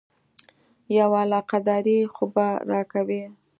یوه علاقه داري خو به راکوې.